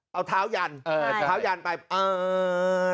เอาเท้ายันเออเท้ายันไปเออเออเออเออเออเออเออ